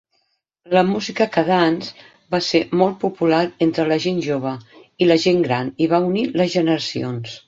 La música "kadans" va ser molt popular entre la gent jove i la gent gran i va unir les generacions.